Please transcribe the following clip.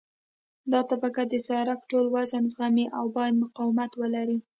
دا طبقه د سرک ټول وزن زغمي او باید مقاومت ولري